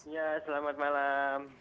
ya selamat malam